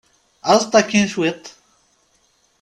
Aẓet akkin cwiṭ.